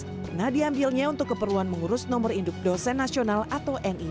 pernah diambilnya untuk keperluan mengurus nomor induk dosen nasional atau nii